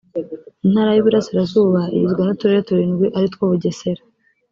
Intara y’Uburasirazuba igizwe n’uturere turindwi ari two Bugesera